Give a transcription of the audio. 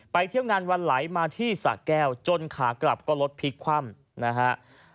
เที่ยวงานวันไหลมาที่สะแก้วจนขากลับก็รถพลิกคว่ำนะฮะ